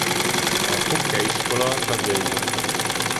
A Fuke iskola tagjai voltak.